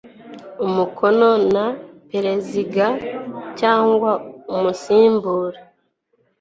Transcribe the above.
umukono na pereziga cyangwa umusimbura we